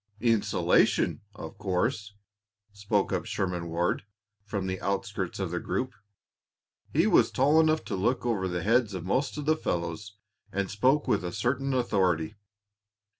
"Insulation, of course," spoke up Sherman Ward, from the outskirts of the group. He was tall enough to look over the heads of most of the fellows, and spoke with a certain authority.